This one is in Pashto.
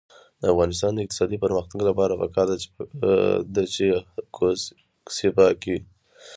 د افغانستان د اقتصادي پرمختګ لپاره پکار ده چې کوڅې پاکې وي.